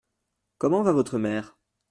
Comment va votre mère ?